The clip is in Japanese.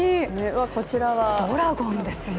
こちらはドラゴンですよ。